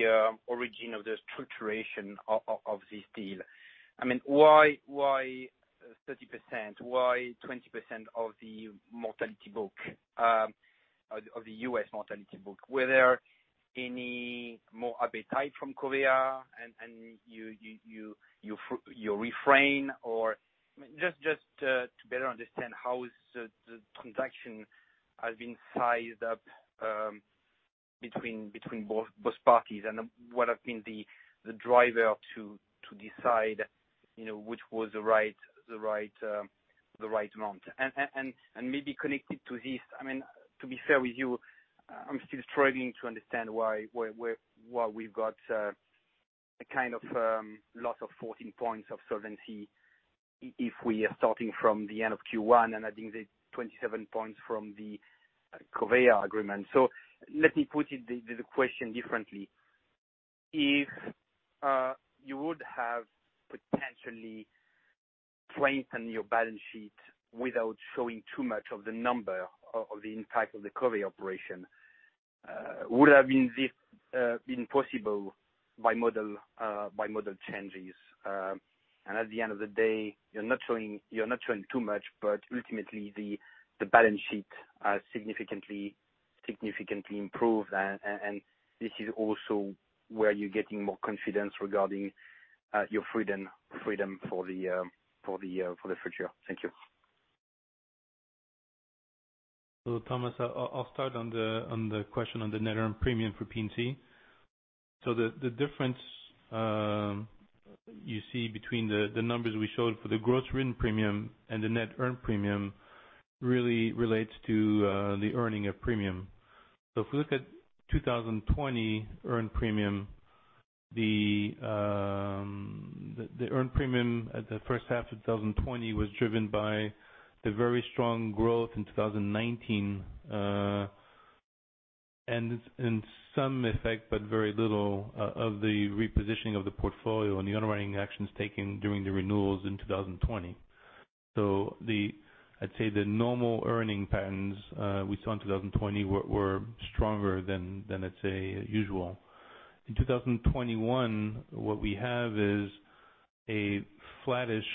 origin of the structuration of this deal. Why 30%? Why 20% of the mortality book, of the U.S. mortality book? Were there any more appetite from Covéa and you refrain or? Just to better understand how the transaction has been sized up between both parties, what have been the driver to decide which was the right amount? Maybe connected to this, to be fair with you, I'm still struggling to understand why we've got a loss of 14 points of solvency if we are starting from the end of Q1, and I think the 27 points from the Covéa agreement. Let me put the question differently. If you would have potentially strengthened your balance sheet without showing too much of the number of the impact of the Covéa operation, would have been possible by model changes? At the end of the day, you're not showing too much, but ultimately the balance sheet has significantly improved, and this is also where you're getting more confidence regarding your freedom for the future. Thank you. Thomas, I'll start on the question on the net earned premium for P&C. The difference you see between the numbers we showed for the gross written premium and the net earned premium really relates to the earning of premium. If you look at 2020 earned premium, the earned premium at the first half of 2020 was driven by the very strong growth in 2019, and in some effect, but very little, of the repositioning of the portfolio and the underwriting actions taken during the renewals in 2020. I'd say the normal earning patterns we saw in 2020 were stronger than, let's say, usual. In 2021, what we have is a flattish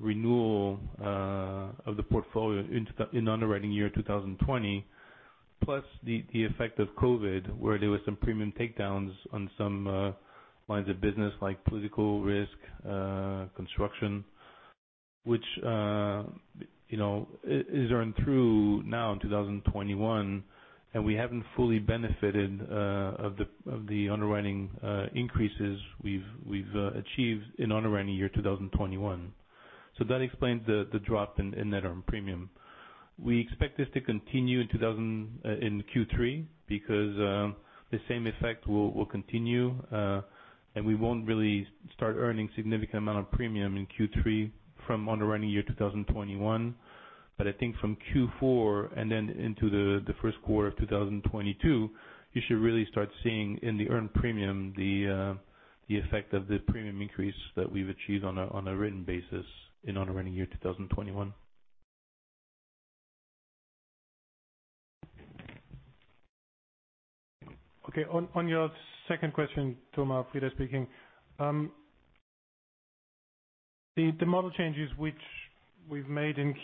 renewal of the portfolio in underwriting year 2020, plus the effect of COVID, where there were some premium takedowns on some lines of business like political risk, construction, which is earned through now in 2021, and we haven't fully benefited of the underwriting increases we've achieved in underwriting year 2021. That explains the drop in net earned premium. We expect this to continue in Q3, because the same effect will continue. We won't really start earning significant amount of premium in Q3 from underwriting year 2021. I think from Q4 and then into the first quarter of 2022, you should really start seeing in the earned premium, the effect of the premium increase that we've achieved on a written basis in underwriting year 2021. On your second question, Thomas, Frieder speaking. The model changes which we've made in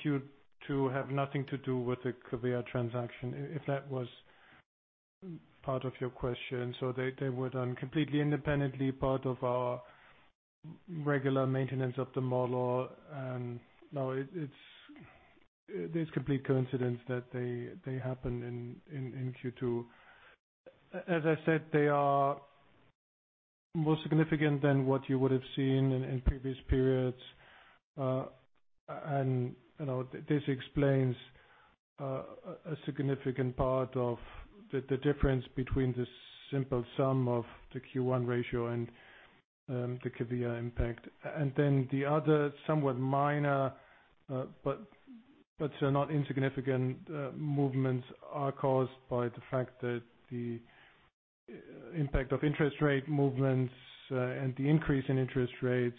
Q2 have nothing to do with the Covéa transaction, if that was part of your question. They were done completely independently, part of our regular maintenance of the model. It's complete coincidence that they happen in Q2. As I said, they are more significant than what you would have seen in previous periods. This explains a significant part of the difference between the simple sum of the Q1 ratio and the Covéa impact. The other somewhat minor, but not insignificant, movements are caused by the fact that the impact of interest rate movements and the increase in interest rates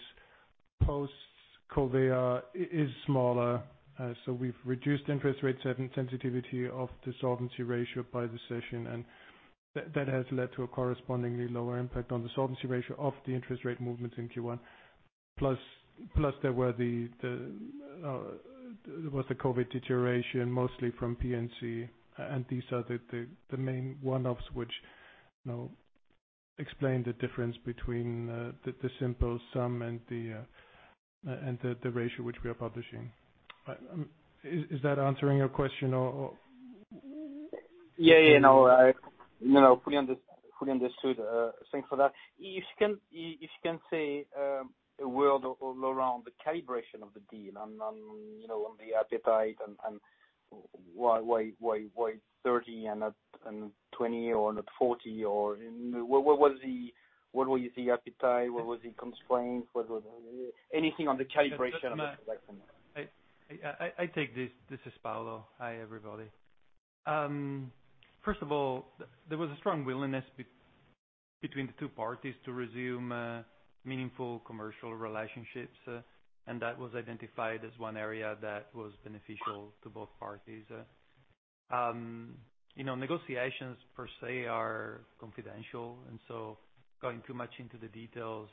post-Covéa is smaller. We've reduced interest rate set and sensitivity of the solvency ratio by the session, and that has led to a correspondingly lower impact on the solvency ratio of the interest rate movement in Q1. Plus, there was the COVID deterioration, mostly from P&C, and these are the main one-offs which explain the difference between the simple sum and the ratio which we are publishing. Is that answering your question? Yeah. No, fully understood. Thanks for that. If you can say a word around the calibration of the deal on the appetite and why 30 and not 20 or not 40, or what was the appetite, what was the constraint? Anything on the calibration of that? I take this. This is Paolo. Hi, everybody. First of all, there was a strong willingness between the two parties to resume meaningful commercial relationships, and that was identified as one area that was beneficial to both parties. Negotiations per se are confidential, and so going too much into the details,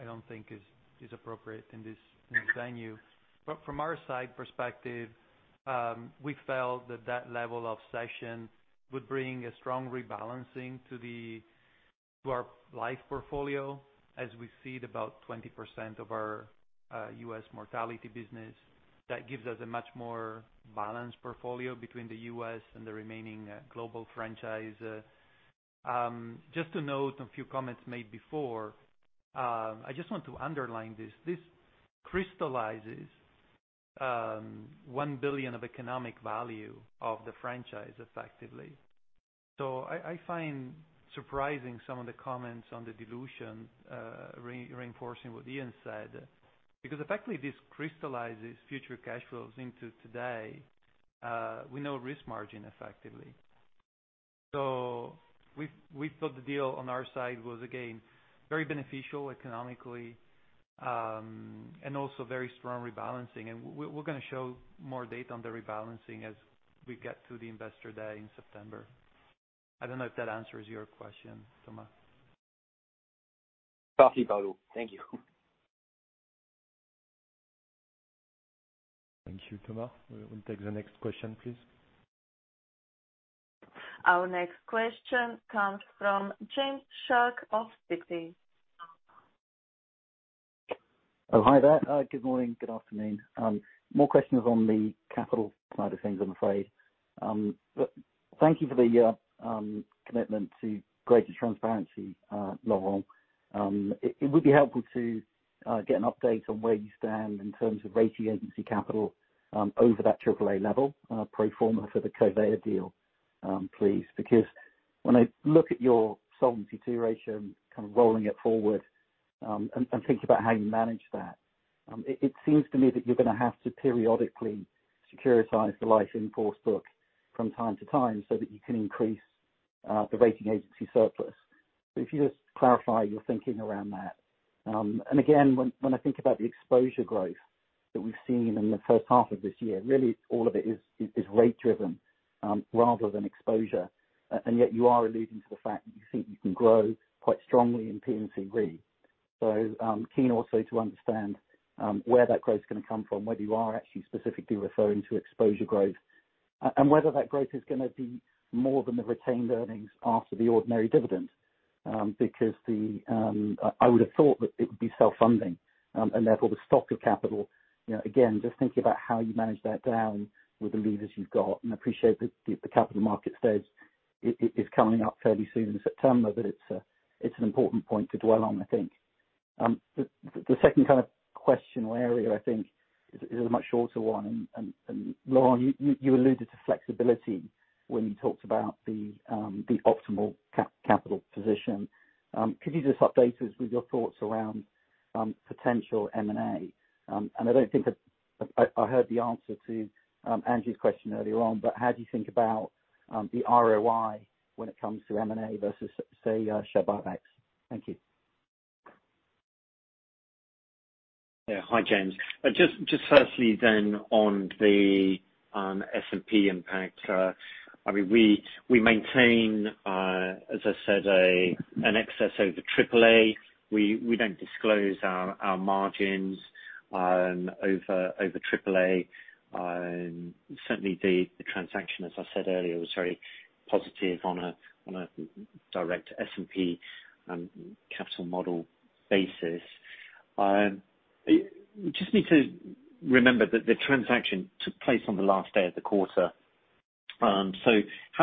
I don't think is appropriate in this venue. From our side perspective, we felt that that level of session would bring a strong rebalancing to our life portfolio as we cede about 20% of our U.S. mortality business. That gives us a much more balanced portfolio between the U.S. and the remaining global franchise. Just to note on a few comments made before, I just want to underline this. This crystallizes 1 billion of economic value of the franchise, effectively. I find surprising some of the comments on the dilution, reinforcing what Ian said, because effectively, this crystallizes future cash flows into today. We know risk margin effectively. We thought the deal on our side was, again, very beneficial economically, and also very strong rebalancing. We're going to show more data on the rebalancing as we get to the investor day in September. I don't know if that answers your question, Thomas. Copy, Paolo. Thank you. Thank you, Thomas. We will take the next question, please. Our next question comes from James Shuck of Citi. Oh, hi there. Good morning, good afternoon. More questions on the capital side of things, I'm afraid. Thank you for the commitment to greater transparency, Laurent. It would be helpful to get an update on where you stand in terms of rating agency capital over that AAA level pro forma for the Covéa deal, please. When I look at your Solvency II ratio, kind of rolling it forward, and think about how you manage that, it seems to me that you're going to have to periodically securitize the Life in-force book from time to time so that you can increase the rating agency surplus. If you just clarify your thinking around that. Again, when I think about the exposure growth that we've seen in the first half of this year. Really, all of it is rate driven rather than exposure. Yet you are alluding to the fact that you think you can grow quite strongly in P&C Re. Keen also to understand where that growth is going to come from, whether you are actually specifically referring to exposure growth, and whether that growth is going to be more than the retained earnings after the ordinary dividend. I would have thought that it would be self-funding, and therefore the stock of capital. Again, just thinking about how you manage that down with the levers you've got, appreciate that the capital market stage is coming up fairly soon in September, it's an important point to dwell on, I think. The second kind of question or area I think is a much shorter one. Laurent, you alluded to flexibility when you talked about the optimal capital position. Could you just update us with your thoughts around potential M&A? I don't think I heard the answer to Angie's question earlier on, but how do you think about the ROI when it comes to M&A versus, say, share buybacks? Thank you. Yeah. Hi, James. Just firstly on the S&P impact. We maintain, as I said, an excess over AAA. We don't disclose our margins over AAA. Certainly the transaction, as I said earlier, was very positive on a direct S&P capital model basis. You just need to remember that the transaction took place on the last day of the quarter. How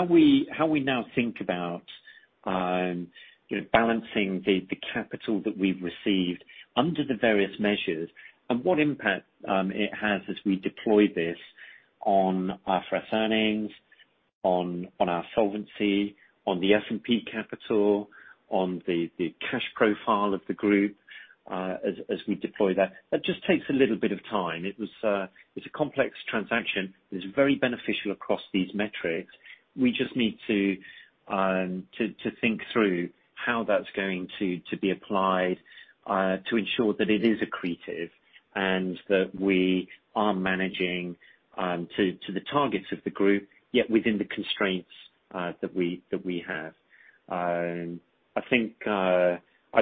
we now think about balancing the capital that we've received under the various measures and what impact it has as we deploy this on our first earnings, on our solvency, on the S&P capital, on the cash profile of the group, as we deploy that. That just takes a little bit of time. It's a complex transaction. It's very beneficial across these metrics. We just need to think through how that's going to be applied, to ensure that it is accretive and that we are managing to the targets of the group, yet within the constraints that we have. As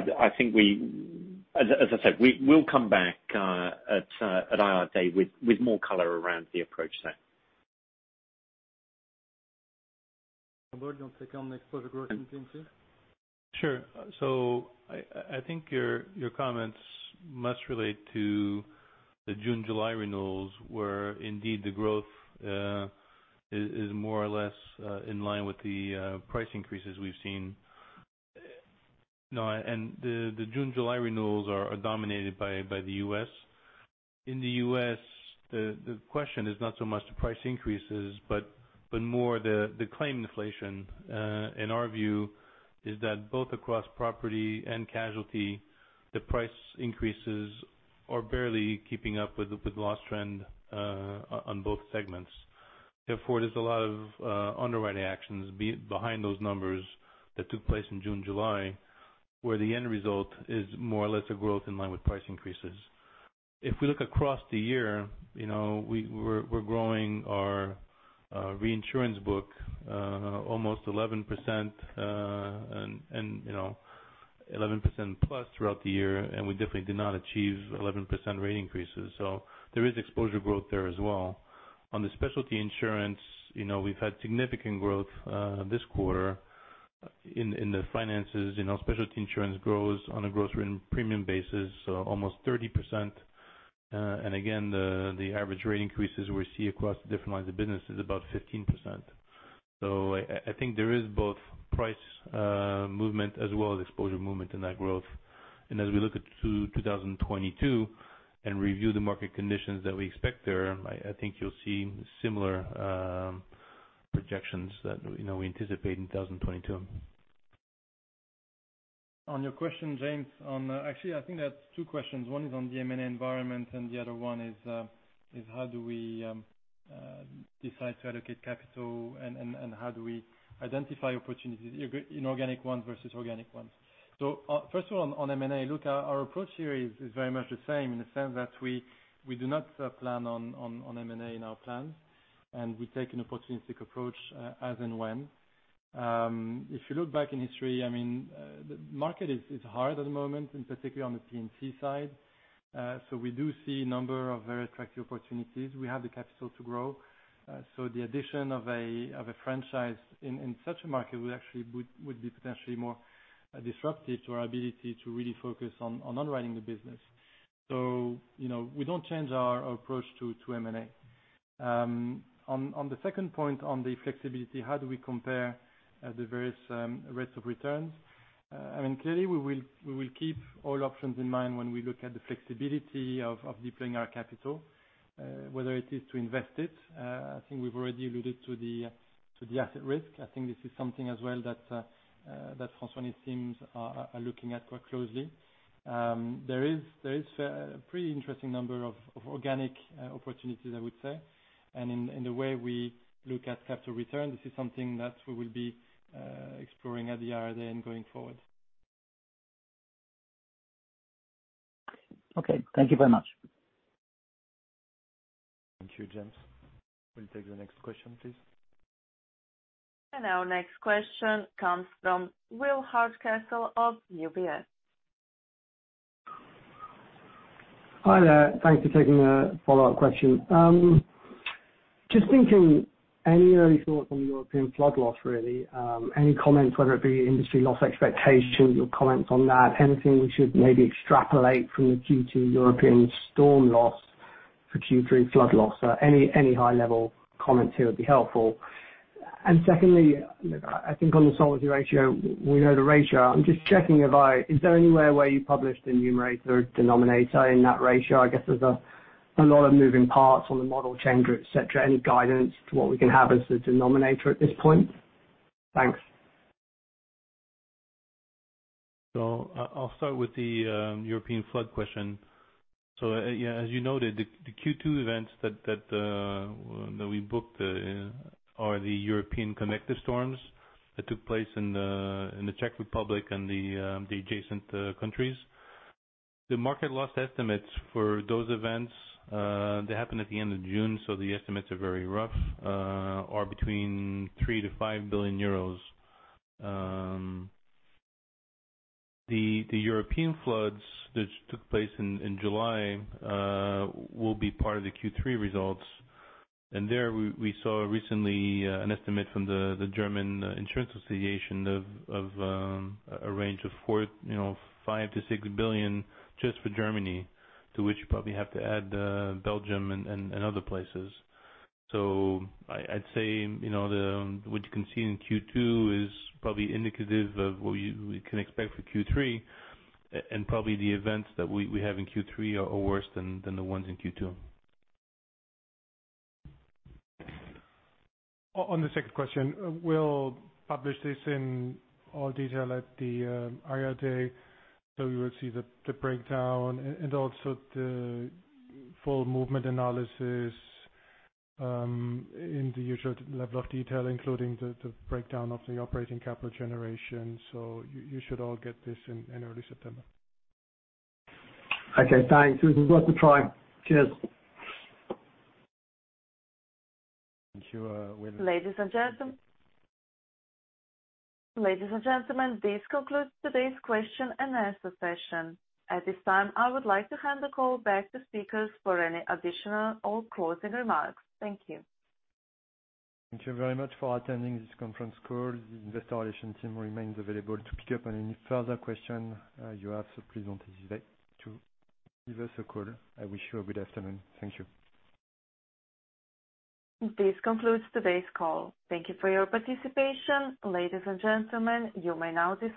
I said, we'll come back at IR day with more color around the approach there. Laurent, do you want to take on the exposure growth in P&C? Sure. I think your comments must relate to the June, July renewals, where indeed the growth is more or less in line with the price increases we've seen. The June, July renewals are dominated by the U.S. In the U.S., the question is not so much the price increases, but more the claim inflation, in our view, is that both across Property and Casualty, the price increases are barely keeping up with loss trend on both segments. Therefore, there's a lot of underwriting actions behind those numbers that took place in June, July, where the end result is more or less a growth in line with price increases. If we look across the year, we're growing our reinsurance book almost 11%, and 11%+ throughout the year, and we definitely did not achieve 11% rate increases. There is exposure growth there as well. On the specialty insurance, we've had significant growth this quarter in Financial Lines. Specialty insurance grows on a gross premium basis, almost 30%. Again, the average rate increases we see across the different lines of business is about 15%. I think there is both price movement as well as exposure movement in that growth. As we look to 2022 and review the market conditions that we expect there, I think you'll see similar projections that we anticipate in 2022. On your question, James. Actually, I think that's two questions. One is on the M&A environment, the other 1 is how do we decide to allocate capital, and how do we identify opportunities, inorganic ones versus organic ones. First of all, on M&A, look, our approach here is very much the same in the sense that we do not plan on M&A in our plans, and we take an opportunistic approach as and when. If you look back in history, the market is hard at the moment, and particularly on the P&C side. We do see a number of very attractive opportunities. We have the capital to grow. The addition of a franchise in such a market would be potentially more disruptive to our ability to really focus on underwriting the business. We don't change our approach to M&A. On the second point on the flexibility, how do we compare the various rates of returns? Clearly, we will keep all options in mind when we look at the flexibility of deploying our capital, whether it is to invest it. I think we've already alluded to the asset risk. I think this is something as well that Francois and his teams are looking at quite closely. There is a pretty interesting number of organic opportunities, I would say. In the way we look at capital return, this is something that we will be exploring at the IR day and going forward. Okay. Thank you very much. Thank you, James. We'll take the next question, please. Our next question comes from Will Hardcastle of UBS. Hi there. Thanks for taking a follow-up question. Just thinking, any early thoughts on the European flood loss really? Any comments, whether it be industry loss expectations, your comments on that, anything we should maybe extrapolate from the Q2 European storm loss for Q3 flood loss? Any high level comments here would be helpful. Secondly, I think on the solvency ratio, we know the ratio. I'm just checking Is there anywhere where you published the numerator or denominator in that ratio? I guess there's a lot of moving parts on the model changer, et cetera. Any guidance to what we can have as the denominator at this point? Thanks. I'll start with the European flood question. As you noted, the Q2 events that we booked are the European connected storms that took place in the Czech Republic and the adjacent countries. The market loss estimates for those events, they happened at the end of June, so the estimates are very rough, are between 3 billion-5 billion euros. The European floods which took place in July will be part of the Q3 results. There we saw recently an estimate from the German Insurance Association of a range of 5 billion-6 billion just for Germany, to which you probably have to add Belgium and other places. I'd say what you can see in Q2 is probably indicative of what we can expect for Q3, and probably the events that we have in Q3 are worse than the ones in Q2. On the second question, we'll publish this in all detail at the IR day, so you will see the breakdown and also the full movement analysis, in the usual level of detail, including the breakdown of the operating capital generation. You should all get this in early September. Okay. Thanks. It was worth a try. Cheers. Thank you. Ladies and gentlemen, this concludes today's question-and-answer session. At this time, I would like to hand the call back to speakers for any additional or closing remarks. Thank you. Thank you very much for attending this conference call. The investor relation team remains available to pick up on any further question you have, so please don't hesitate to give us a call. I wish you a good afternoon. Thank you. This concludes today's call. Thank you for your participation. Ladies and gentlemen, you may now disconnect.